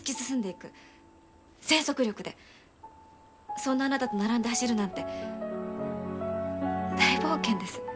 そんなあなたと並んで走るなんて大冒険です。